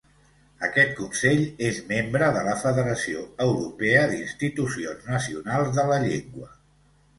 Aquest Consell és membre de la Federació Europea d'Institucions Nacionals de la Llengua.